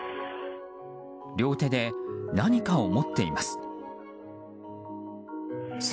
両手で何かを持っています。